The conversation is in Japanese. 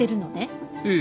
ええ。